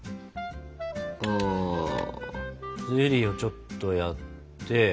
ゼリーをちょっとやって。